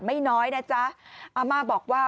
ไม่น้อยนะจ๊ะอาม่าบอกว่า